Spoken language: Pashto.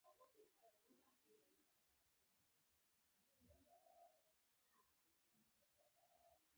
تر ناپوه ملګري هوښیار دوښمن ښه دئ!